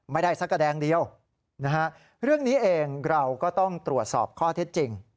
ไม่ได้สักกระแดงเดียวนะฮะเรื่องนี้เองเราก็ต้องตรวจสอบข้อเท็จจริง